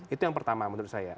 itu yang pertama menurut saya